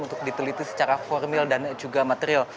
untuk diteliti secara formil dan juga material